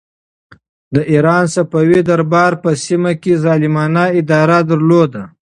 د ایران صفوي دربار په سیمه کې ظالمانه اداره درلوده.